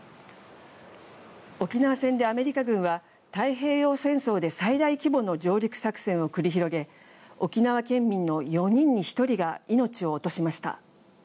沖縄戦でアメリカ軍は太平洋戦争で最大規模の上陸作戦を繰り広げ沖縄県民の４人に１人が命を落としました。